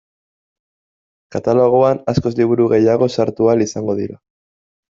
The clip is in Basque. Katalogoan askoz liburu gehiago sartu ahal izango dira.